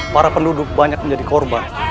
para penduduk banyak menjadi korban